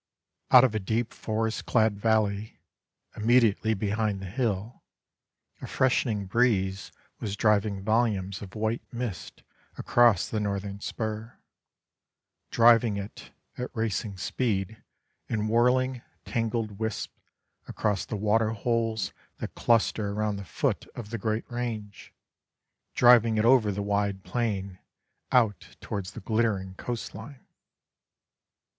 Out of a deep forest clad valley, immediately behind the hill, a freshening breeze was driving volumes of white mist across the northern spur; driving it, at racing speed, in whirling, tangled wisps, across the water holes that cluster around the foot of the great range; driving it over the wide plain, out towards the glittering coast line.